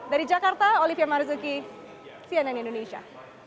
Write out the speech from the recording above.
dari jakarta olivia marzuki cnn indonesia